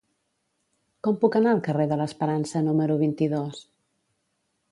Com puc anar al carrer de l'Esperança número vint-i-dos?